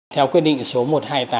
theo quyết định số một trăm hai mươi tám